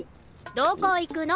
どこ行くの？